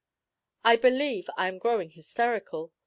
I believe I am growing hysterical.